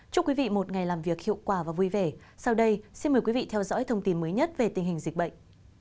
chúc quý vị một ngày làm việc hiệu quả và vui vẻ sau đây xin mời quý vị theo dõi thông tin mới nhất về tình hình dịch bệnh